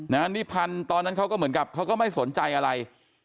นิพันธ์ตอนนั้นเขาก็เหมือนกับเขาก็ไม่สนใจอะไร